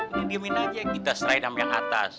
ini diamin aja kita serahin apa yang atas